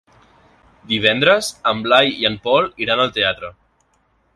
Divendres en Blai i en Pol iran al teatre.